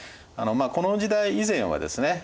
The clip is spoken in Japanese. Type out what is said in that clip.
この時代以前はですね